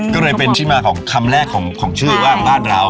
ก็เลยเป็นที่มาของคำแรกของชื่อว่าบ้านเรา